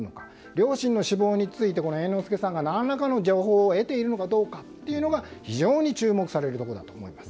両親の死亡について猿之助さんが何らかの情報を得ているのかどうかが非常に注目されることだと思います。